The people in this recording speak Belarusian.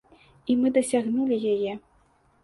І мы дасягнулі яе!